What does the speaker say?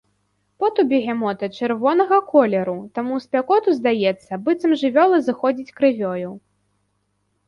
Пот у бегемота чырвонага колеру, таму ў спякоту здаецца, быццам жывёла зыходзіць крывёю.